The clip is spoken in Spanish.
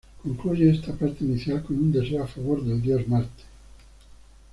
Concluye esta parte inicial con un deseo a favor del dios Marte.